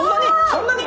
そんなに？